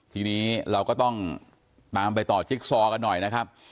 ทีนี้เราก็ต้องตามไปต่อจิ๊กซอกันหน่อยนะครับ